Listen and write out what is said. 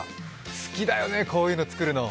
好きだよね、こういうの作るの。